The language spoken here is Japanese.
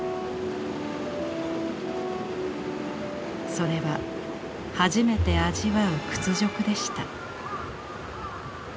それは初めて味わう屈辱でした。